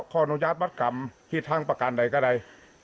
ขออนุญาตบัตรกรรมพิธภัณฑ์ประกันใดกะได้